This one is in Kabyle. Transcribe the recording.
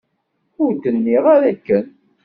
Ur d-nniɣ ara akken.